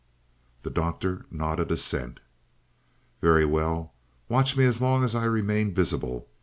The Doctor nodded assent. "Very well, watch me as long as I remain visible.